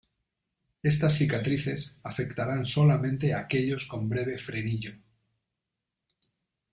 Estas cicatrices afectarán solamente a aquellos con breve frenillo.